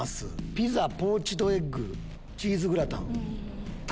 ピザポーチドエッグチーズグラタン。